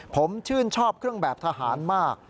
ผมชื่นชอบเครื่องแบบทหารมาก